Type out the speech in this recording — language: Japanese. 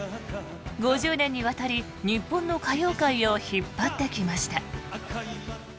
５０年にわたり日本の歌謡界を引っ張ってきました。